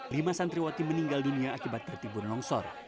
lima santriwati meninggal dunia akibat tertimbun longsor